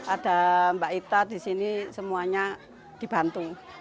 ada mbak ita di sini semuanya dibantu